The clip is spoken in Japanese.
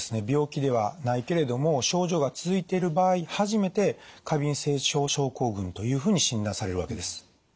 病気ではないけれども症状が続いている場合初めて過敏性腸症候群というふうに診断されるわけです。